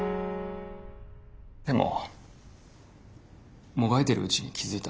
でももがいているうちに気付いた。